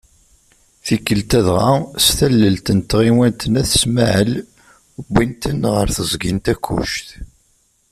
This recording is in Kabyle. Tikkelt-a dɣa, s tallelt n tɣiwant n At Smaɛel, wwin-ten ɣer teẓgi n Takkuct.